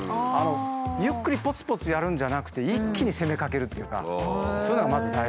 ゆっくりぽつぽつやるんじゃなくて一気に攻めかけるっていうかそういうのがまず大事です。